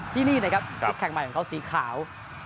ที่นี่นะครับชุดแข่งใหม่ของเขาสีขาว